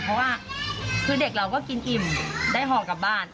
เพราะว่าคือเด็กเราก็กินอิ่มได้ห่อกลับบ้าน